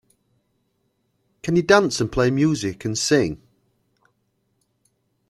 Can you dance, and play music, and sing?